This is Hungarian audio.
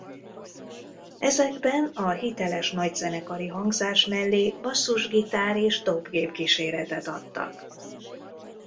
Ezekben a hiteles nagyzenekari hangzás mellé basszusgitár és dobgép kíséretet adtak.